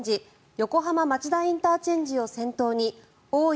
横浜町田ＩＣを先頭に大井